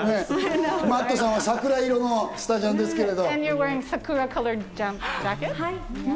マットさんは桜色のスタジャンですけど。